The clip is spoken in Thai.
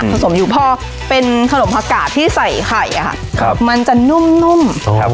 ผสมอยู่เพราะเป็นขนมผักกาที่ใส่ไข่อ่ะครับมันจะนุ่มนุ่มครับ